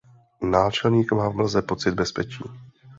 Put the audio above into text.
Náčelník má v mlze pocit bezpečí.